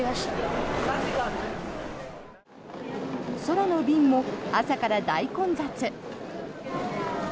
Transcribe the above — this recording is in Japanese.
空の便も朝から大混雑。